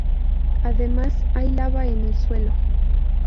Además, hay lava en el suelo.